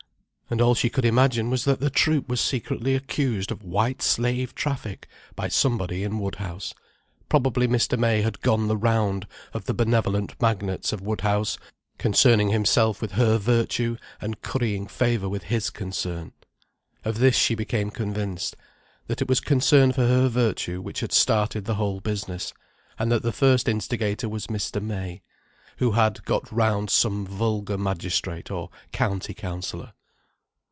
And all she could imagine was that the troupe was secretly accused of White Slave Traffic by somebody in Woodhouse. Probably Mr. May had gone the round of the benevolent magnates of Woodhouse, concerning himself with her virtue, and currying favour with his concern. Of this she became convinced, that it was concern for her virtue which had started the whole business: and that the first instigator was Mr. May, who had got round some vulgar magistrate or County Councillor.